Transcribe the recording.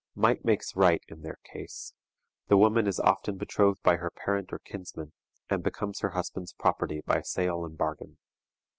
Might makes right in their case. The woman is often betrothed by her parent or kinsman, and becomes her husband's property by sale and bargain.